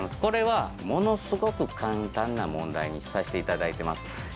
これはものすごく簡単な問題にさしていただいてます